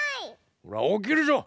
ほらおきるぞう！